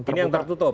ini yang tertutup